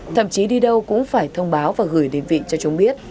thậm chí đi đâu cũng phải thông báo và gửi đến vị cho chúng biết